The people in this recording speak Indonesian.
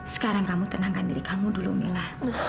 sekarang kamu tenangkan diri kamu dulu mila